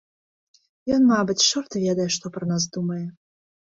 Ён, мабыць, чорт ведае што пра нас думае.